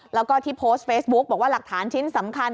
แล้วก็ที่โพสต์เฟซบุ๊กบอกว่าหลักฐานชิ้นสำคัญ